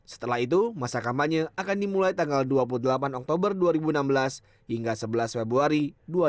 setelah itu masa kampanye akan dimulai tanggal dua puluh delapan oktober dua ribu enam belas hingga sebelas februari dua ribu delapan belas